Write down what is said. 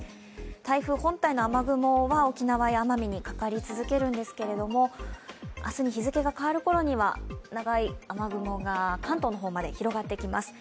台風本体の雨雲は沖縄や奄美にかかり続けるんですけど明日の日付が変わる頃には長い雨雲が関東の方まで広がってきます。